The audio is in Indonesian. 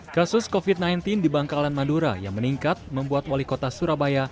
kasus covid sembilan belas di bangkalan madura yang meningkat membuat wali kota surabaya